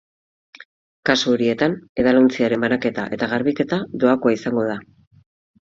Kasu horietan, edalontziaren banaketa eta garbiketa doakoa izango da.